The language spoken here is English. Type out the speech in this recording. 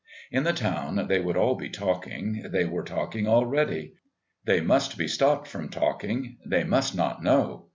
In the town they would all be talking, they were talking already. They must be stopped from talking; they must not know.